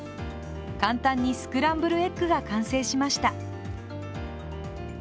簡単にスクランブルエッグが完成しました。